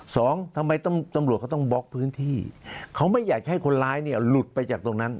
สองทำไมตำรวจเขาต้องบล็อกพื้นที่เขาไม่อยากให้คนร้ายเนี่ยหลุดไปจากตรงนั้น